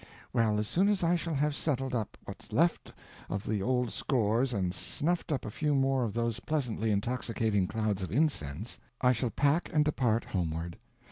Well, as soon as I shall have settled up what's left of the old scores and snuffed up a few more of those pleasantly intoxicating clouds of incense, I shall pack and depart homeward.